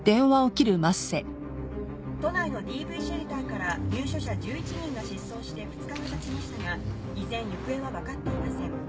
都内のＤＶシェルターから入所者１１人が失踪して２日がたちましたが依然行方は分かっていません。